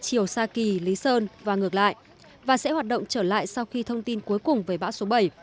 chiều sa kỳ lý sơn và ngược lại và sẽ hoạt động trở lại sau khi thông tin cuối cùng về bão số bảy